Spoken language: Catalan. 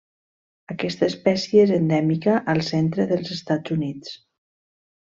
Aquesta espècie és endèmica al centre dels Estats Units.